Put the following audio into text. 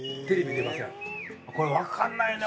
これわかんないね！